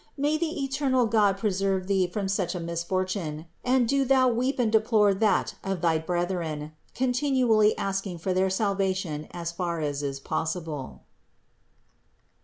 May the eternal God preserve thee from such a misfortune; and do thou weep and deplore that of thy brethren, continually asking for their salvation as far as is possible.